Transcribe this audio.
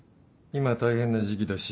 今は大変な時期だし